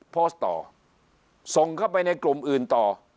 โพสต์ต่อส่งเข้าไปในกลุ่มอื่นต่อ